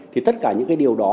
thì tất cả những cái điều đó